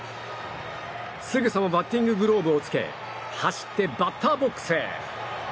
すぐさまバッティンググローブを着け走って、バッターボックスへ。